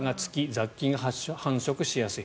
雑菌が繁殖しやすい。